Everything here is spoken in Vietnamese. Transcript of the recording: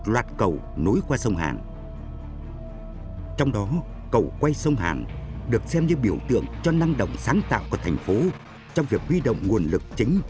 và nay công cuộc lính sông hàn vẫn chưa dừng lại